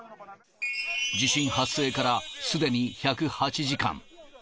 地震発生からすでに１０８時間。